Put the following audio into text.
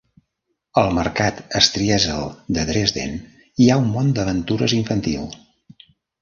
Al mercat Striezel de Dresden hi ha un món d'aventures infantil.